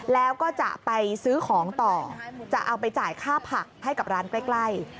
แล้วก็จะไปซื้อของต่อจะเอาไปจ่ายค่าผักให้กับร้านใกล้